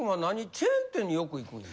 チェーン店によく行くんや。